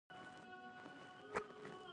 چې خپل ځان ته وزرونه ګنډم